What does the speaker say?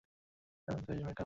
মারার পর জানতে পেরেছি সে মেকার।